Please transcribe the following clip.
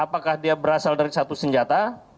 apakah dia berasal dari satu senjata